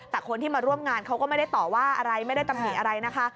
แต่คนที่มาร่วมงานเขาก็ไม่ได้ต่อว่าอะไรไม่ได้ตำหนิอะไรนะคะ